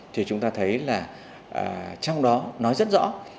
thì chúng ta thấy là trong đó nói rất rõ